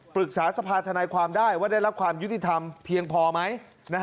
ปรึกษาสภาธนายความได้ว่าได้รับความยุติธรรมเพียงพอไหม